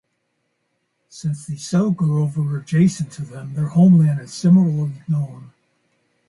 Since the Selgovae were adjacent to them, their homeland is similarly known.